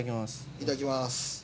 いただきます。